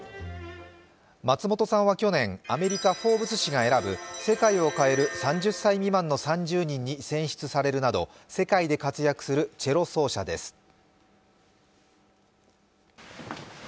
松本さんは去年、アメリカ「フォーブズ」誌が選ぶ「世界を変える３０歳未満の３０人」に選出されるなど世界で活躍するチェロ奏者です。